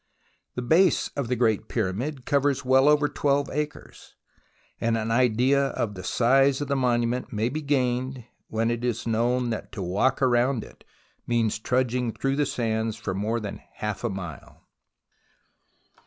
The base of the Great Pyramid covers well over 12 acres, and an idea of the size of the monument may be gained when it is known that to walk round it means trudging through the sands for more than half a mile.